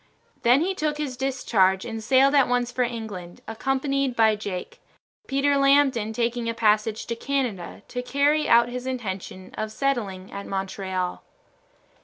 Then he took his discharge and sailed at once for England, accompanied by Jake; Peter Lambton taking a passage to Canada to carry out his intention of settling at Montreal.